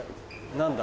何だ？